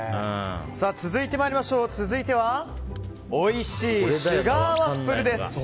続いてはおいしいシュガーワッフルです。